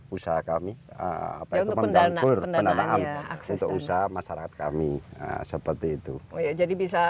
usaha kami apa yang untuk pendanaan ya sehingga usaha masyarakat kami seperti itu jadi bisa